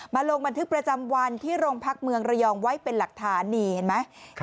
ลงบันทึกประจำวันที่โรงพักเมืองระยองไว้เป็นหลักฐานนี่เห็นไหม